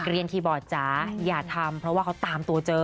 คีย์บอร์ดจ๋าอย่าทำเพราะว่าเขาตามตัวเจอ